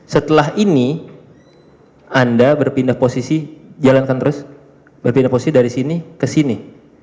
setelah ini anda berpindah posisi jalankan terus berpindah posisi dari sini ke sini